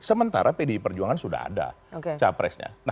sementara pdi perjuangan sudah ada capresnya